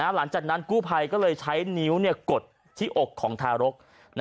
หลังจากนั้นกู้ภัยก็เลยใช้นิ้วกดที่อกของทารก